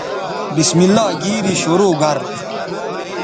بسم اللہ گیری شرو گر